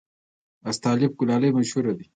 استالف کلالي مشهوره ده؟